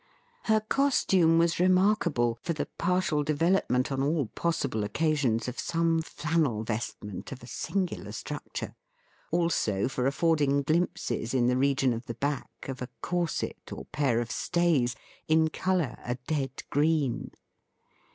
Her costume was remarkable for the partial development on all possible occasions of some flannel vestment of a singular structure; also for affording glimpses, in the region of the back, of a corset, or pair of stays, in colour a dead green.